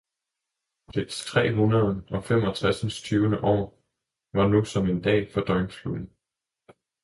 Dets tre hundrede og femogtresindstyve år var nu som en dag for døgnfluen.